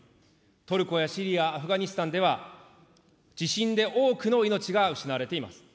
トルコやシリア、アフガニスタンでは、地震で多くの命が失われています。